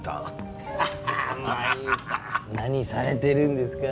何されてるんですか？